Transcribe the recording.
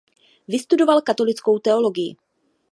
Vystudoval katolickou teologii.